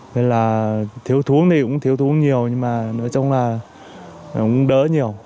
nên là thiếu thú thì cũng thiếu thú nhiều nhưng mà nói chung là cũng đỡ nhiều